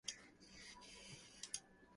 The former municipality was unilingually Finnish.